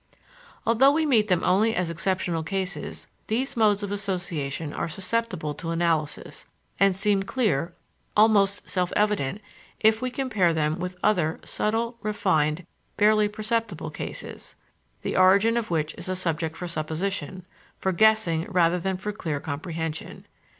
Although we meet them only as exceptional cases, these modes of association are susceptible to analysis, and seem clear, almost self evident, if we compare them with other, subtle, refined, barely perceptible cases, the origin of which is a subject for supposition, for guessing rather than for clear comprehension.